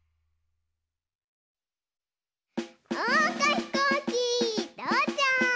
おうかひこうきとうちゃく！